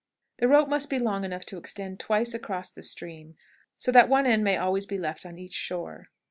The rope must be long enough to extend twice across the stream, so that one end may always be left on each shore.